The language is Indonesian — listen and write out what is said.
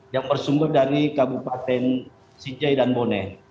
yang bersumber dari kabupaten sinjai dan bone